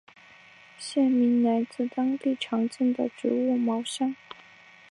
县名来自当地常见的植物茅香。